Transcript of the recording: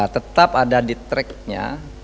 tetap ada di track nya